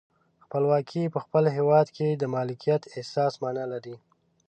خپلواکي په خپل هیواد کې د مالکیت احساس معنا لري.